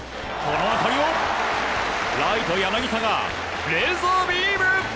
この当たりをライト柳田がレーザービーム！